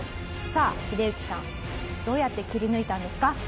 さあヒデユキさんどうやって切り抜いたんですか？